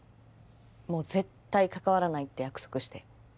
もう絶対関わらないって約束して